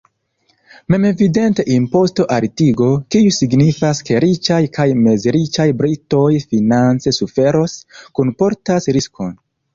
Memevidente imposto-altigo, kiu signifas, ke riĉaj kaj mezriĉaj britoj finance suferos, kunportas riskon.